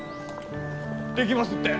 できますって。